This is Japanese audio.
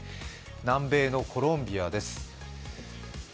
南米のコロンビアです。